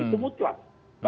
itu adalah kekejutan